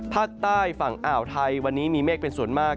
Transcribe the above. ภาคใต้ฝั่งอ่าวไทยวันนี้มีเมฆเป็นส่วนมาก